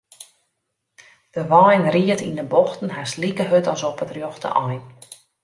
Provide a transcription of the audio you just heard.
De wein ried yn 'e bochten hast like hurd as op it rjochte ein.